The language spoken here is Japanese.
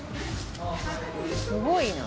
すごいな。